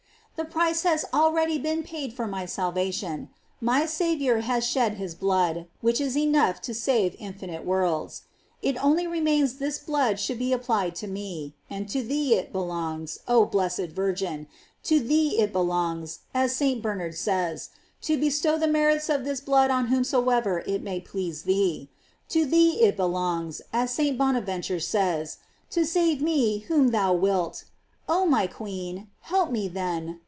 The price has al ready been paid for my salvation; my Saviour has shed his blood, which is enough to save in finite worlds. It only remains this blood should be applied to me; and to thee it belongs, oh .blessed Virgin! to thee it belongs, as St. Ber nard says, to bestow the merits of this blood on whomsoever it may please thee. To thee it be longs, as St. Bonaventure also says, to save whom thou wilt.* Oh my queen, help me, then!